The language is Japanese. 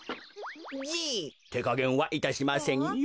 じい？てかげんはいたしませんよ。